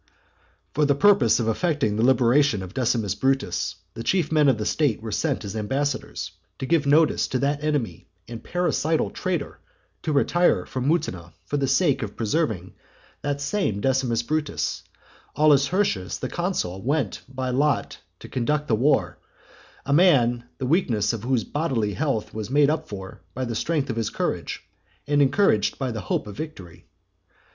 II. For the purpose of effecting the liberation of Decimus Brutus, the chief men of the state were sent as ambassadors, to give notice to that enemy and parricidal traitor to retire from Mutina; for the sake of preserving that same Decimus Brutus, Aulus Hirtius, the consul, went by lot to conduct the war, a man the weakness of whose bodily health was made up for by the strength of his courage, and encouraged by the hope of victory.